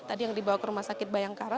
tadi yang dibawa ke rumah sakit bayangkara